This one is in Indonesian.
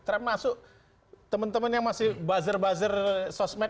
terus masuk teman teman yang masih buzzer buzzer sosmed